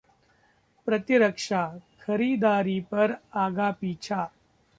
प्रतिरक्षाः खरीदारी पर आगापीछा